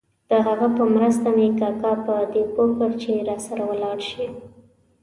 د هغه په مرسته مې کاکا په دې پوه کړ چې راسره ولاړ شي.